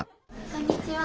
こんにちは。